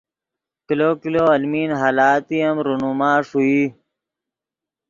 کلو کلو المین حالاتے ام رونما ݰوئی